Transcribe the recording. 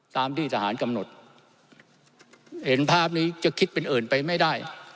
ตามที่ทหารกำหนดเห็นภาพนี้จะคิดเป็นอื่นไปไม่ได้